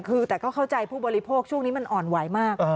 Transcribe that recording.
คือแต่ก็เข้าใจผู้บริโภคช่วงนี้มันอ่อนไหวมาก